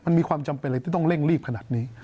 มันมีความจำเป็นอะไรที่ต้องเร่งรีบขนาดนี้